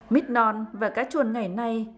mít non và cá chuồn ngày nay